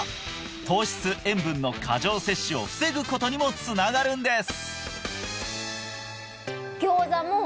糖質塩分の過剰摂取を防ぐことにもつながるんです！